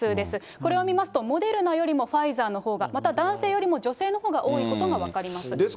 これを見ますと、モデルナよりもファイザーのほうが、また男性よりも女性のほうが多いことが分かります。